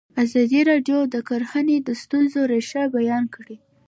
ازادي راډیو د کرهنه د ستونزو رېښه بیان کړې.